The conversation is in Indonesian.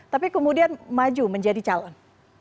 tapi kemudian maju menjadi calon